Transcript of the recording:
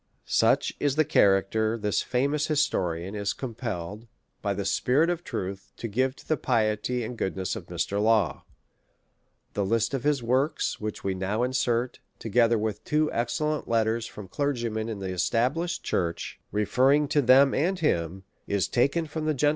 Such is the character this famous historian is com pelled, by the spirit of truth, to give to the piety and goodness of Mr. Law : ^the list of his works, which we now insert, together with two excellent letters from clergymen in the established church, referring to them and him, is taken from the Gent.